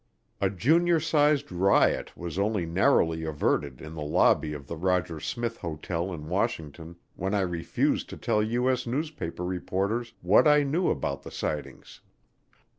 A junior sized riot was only narrowly averted in the lobby of the Roger Smith Hotel in Washington when I refused to tell U.S. newspaper reporters what I knew about the sightings.